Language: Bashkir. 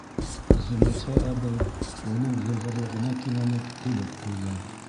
Зөләйха әбей уның йылғырлығына кинәнеп көлөп ҡуйҙы: